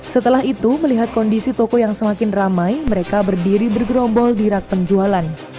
setelah itu melihat kondisi toko yang semakin ramai mereka berdiri bergerombol di rak penjualan